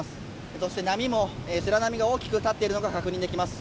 そして白波が大きく立っているのが確認できます。